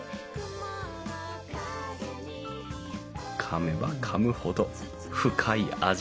かめばかむほど深い味わい。